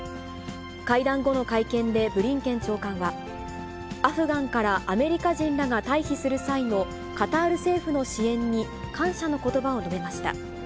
会談後の会見でブリンケン長官は、アフガンからアメリカ人らが退避する際のカタール政府の支援に感謝のことばを述べました。